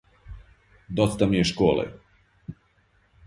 Доста ми је школе!